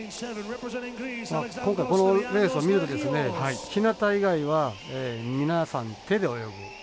今回、このレースを見ると日向以外は皆さん手で泳ぐ。